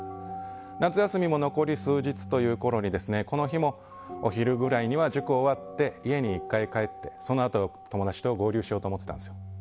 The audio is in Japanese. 夏休みも残り数日というころにこの日もお昼ぐらいには塾終わって家に１回帰って、そのあと友達と合流しようと思ってたんですよ。